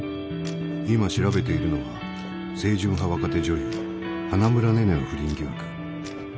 今調べているのは清純派若手女優花村寧々の不倫疑惑。